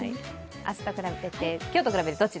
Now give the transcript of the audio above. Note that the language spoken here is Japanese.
今日と比べてあすどっち？